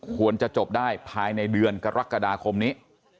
ควรจะจบได้ภายในเดือนกรกฎาคมนี้